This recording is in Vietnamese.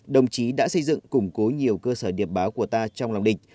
đồng chí đã xây dựng củng cố nhiều cơ sở điệp báo của ta trong lòng địch